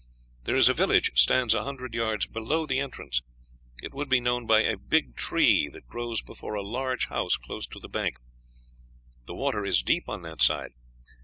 There is a village stands a hundred yards below the entrance; it would be known by a big tree that grows before a large house close to the bank. The water is deep on that side.